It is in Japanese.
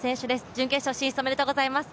準決勝進出おめでとうございます。